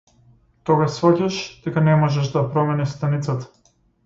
Тогаш сфаќаш дека не можеш да ја промениш станицата.